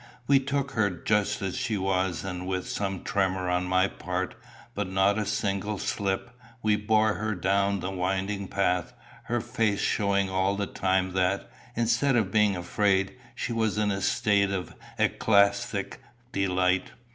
We took her just as she was, and with some tremor on my part, but not a single slip, we bore her down the winding path, her face showing all the time that, instead of being afraid, she was in a state of ecstatic delight.